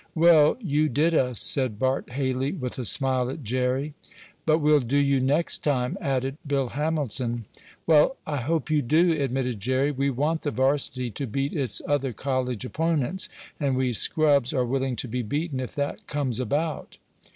"Well, you did us," said Bart Haley, with a smile at Jerry. "But we'll do you next time," added Bill Hamilton. "Well, I hope you do," admitted Jerry. "We want the varsity to beat its other college opponents, and we scrubs are willing to be beaten if that comes about."